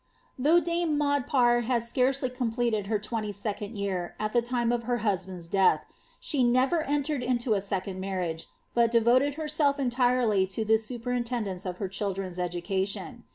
Though dame Maud Parr had scarcely completed her twenty second year at the time of her husband's death, she never entered into a second mtrriage, but devoted herself entirely to the superintendence of her chil dren's education.